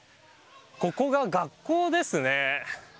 ここが学校ですね。